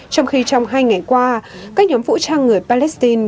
trong khi trong hai ngày qua các nhóm vũ trang người palestine